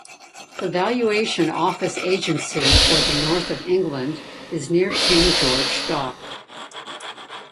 The Valuation Office Agency for the north of England is near King George Dock.